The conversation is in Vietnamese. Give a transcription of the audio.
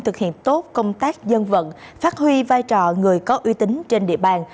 thực hiện tốt công tác dân vận phát huy vai trò người có uy tín trên địa bàn